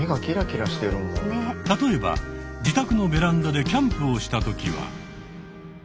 例えば自宅のベランダでキャンプをしたときは。